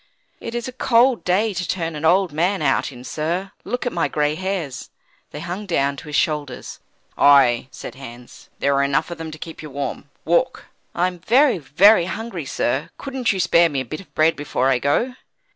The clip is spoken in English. "It is a cold day to turn an old man out in, sir; look at my gray hairs." They hung down to his shoulders. "Ay!" said Hans, "there are enough of them to keep you warm. Walk!" "I'm very, very hungry, sir; couldn't you spare me a bit of bread before I go?"